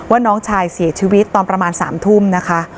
น้องชายเสียชีวิตตอนประมาณ๓ทุ่มนะคะ